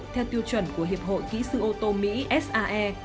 theo tiêu chuẩn của hiệp hội kỹ sư ô tô mỹ sae